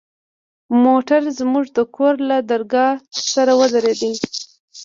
موټر زموږ د کور له درگاه سره ودرېد.